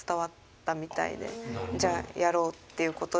じゃあやろうっていうことで。